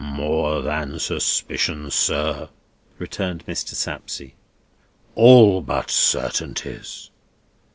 "More than suspicions, sir," returned Mr. Sapsea; "all but certainties."